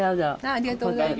ありがとうございます。